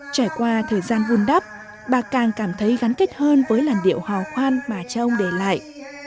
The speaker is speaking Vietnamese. trải qua thời gian vun đắp bà càng cảm thấy gắn kết hơn với làn điệu hò khoan mà cha ông để lại